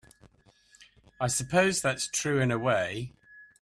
I suppose that's true in a way.